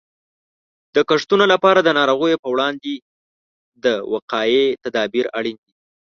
د کښتونو لپاره د ناروغیو په وړاندې د وقایې تدابیر اړین دي.